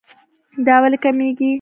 دا ولې کميږي